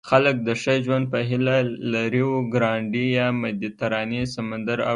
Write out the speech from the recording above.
خلک د ښه ژوند په هیله له ریوګرانډي یا مدیترانې سمندر اوړي.